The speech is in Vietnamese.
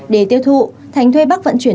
để tiêu thụ thành thuê bắt vận chuyển